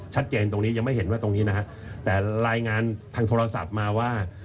ตรงนี้ยังไม่เห็นว่าตรงนี้นะฮะแต่รายงานทางโทรศัพท์มาว่า